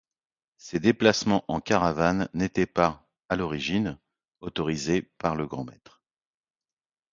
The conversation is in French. Ces déplacements en caravane n'étaient, à l'origine, autorisés que par le grand maître.